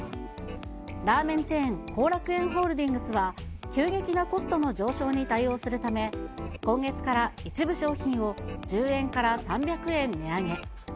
ラーメンチェーン、幸楽苑ホールディングスは、急激なコストの上昇に対応するため、今月から一部商品を１０円から３００円値上げ。